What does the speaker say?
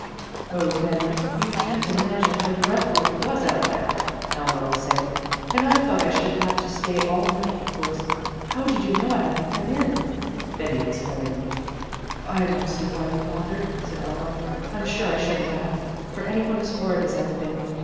"Oh, Betty, you can't imagine how dreadful it was out there!" Eleanor was saying. "And I thought I should have to stay all night, of course. How did you know I hadn't come in?" Betty explained. "I don't see why you bothered," said Eleanor. "I'm sure I shouldn't have, for any one as horrid as I've been.